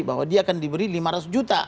bahwa dia akan diberi lima ratus juta